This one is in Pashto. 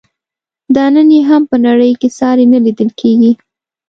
دا نن یې هم په نړۍ کې ساری نه لیدل کیږي.